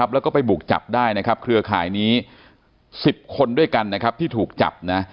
แล้วก็ไปบุกจับได้เครือข่ายนี้๑๐คนด้วยกันที่ถูกจับ